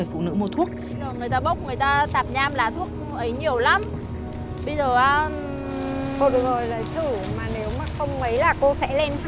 chú lên tuyên quang